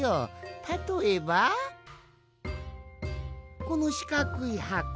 たとえばこのしかくいはこ。